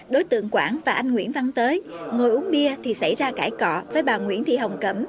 đối tượng quảng và anh nguyễn văn tới ngồi uống bia thì xảy ra cải cọ với bà nguyễn thị hồng cẩm